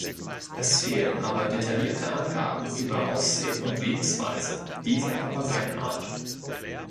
Es fehlen aber detaillierte Angaben über Aussehen und Lebensweise dieser Papageienart.